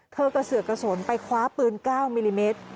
กระเสือกกระสนไปคว้าปืน๙มิลลิเมตร